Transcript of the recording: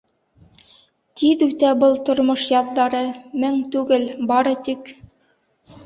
Тиҙ үтә был тормош яҙҙары, Мең түгел, бары тик